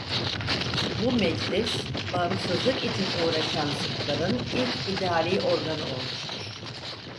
Bu meclis bağımsızlık için uğraşan Sırpların ilk idari organı olmuştur.